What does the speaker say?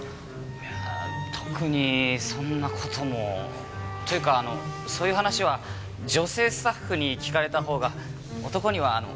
いや特にそんな事もというかあのそういう話は女性スタッフに聞かれた方が男にはなかなか。